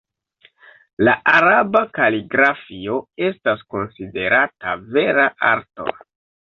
La araba kaligrafio estas konsiderata vera arto.